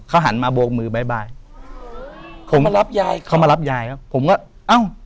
เขาหันมาโบกมือบ๊ายบายผมมารับยายเขามารับยายแล้วผมก็เอ้า